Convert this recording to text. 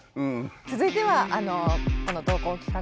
続いてはこの投稿企画。